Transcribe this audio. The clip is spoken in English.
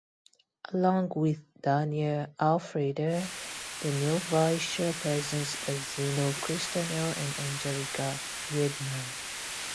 Along with Daniel Alfreider, the new vice-chairpersons are Zeno Christanell and Angelika Wiedmer.